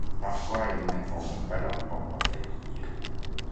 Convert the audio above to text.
Parfois, elles n'informent pas leurs propre famille.